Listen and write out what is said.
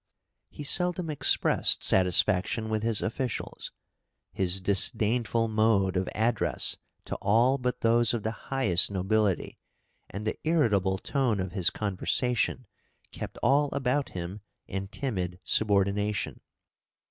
He seldom expressed satisfaction with his officials. His disdainful mode of address to all but those of the highest nobility, and the irritable tone of his conversation, kept all about him in timid subordination.